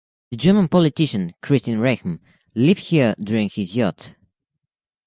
The German politician Christian Rehm lived here during his youth.